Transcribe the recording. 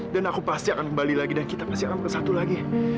dan aku pasti akan kembali lagi dan kita pasti akan bersatu lagi